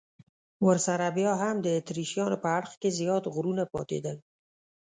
ورسره بیا هم د اتریشیانو په اړخ کې زیات غرونه پاتېدل.